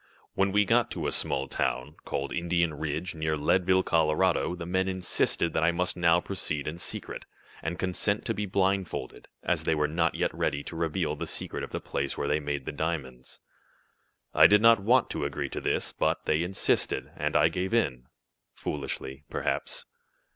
When we got to a small town, called Indian Ridge, near Leadville, Colorado, the men insisted that I must now proceed in secret, and consent to be blindfolded, as they were not yet ready to reveal the secret of the place where they made the diamonds. "I did not want to agree to this, but they insisted, and I gave in, foolishly perhaps.